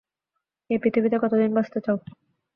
এই পৃথিবীতে কতদিন বাঁচতে চাও?